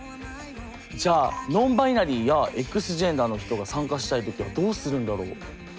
じゃあノンバイナリーやＸジェンダーの人が参加したい時はどうするんだろう？